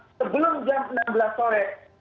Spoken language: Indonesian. sebelum jam enam belas sore